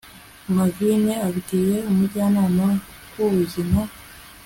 mavime abwiye umujyanama w'ubuzima